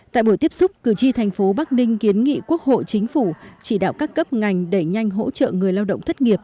tại buổi tiếp xúc cử tri thành phố bắc ninh kiến nghị quốc hội chính phủ chỉ đạo các cấp ngành đẩy nhanh hỗ trợ người lao động thất nghiệp